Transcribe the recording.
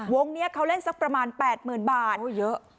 วงเนี้ยเขาเล่นสักประมาณแปดหมื่นบาทเยอะ